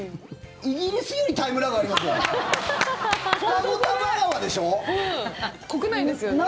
イギリスよりタイムラグありますよね？